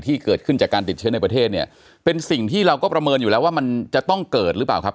ที่เกิดขึ้นจากการติดเชื้อในประเทศเนี่ยเป็นสิ่งที่เราก็ประเมินอยู่แล้วว่ามันจะต้องเกิดหรือเปล่าครับ